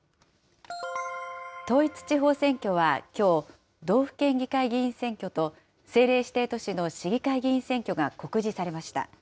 統一地方選挙はきょう、道府県議会議員選挙と政令指定都市の市議会議員選挙が告示されました。